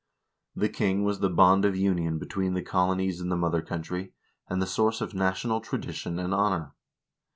The king was the bond of union between the colonies and the mother country, and the source of national tradition and honor.